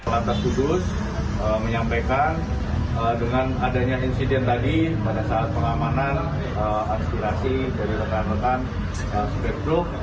lantas kudus menyampaikan dengan adanya insiden tadi pada saat pengamanan aspirasi dari rekan rekan supir truk